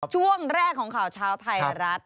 ช่วงแรกของข่าวเช้าไทยรัฐ